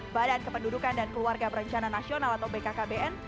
badan kependudukan dan keluarga berencana nasional atau bkkbn